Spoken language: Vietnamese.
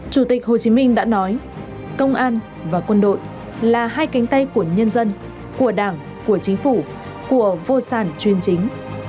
chủ tịch hồ chí minh đã nói công an và quân đội là hai cánh tay của nhân dân của đảng của chính phủ của vô sản chuyên chính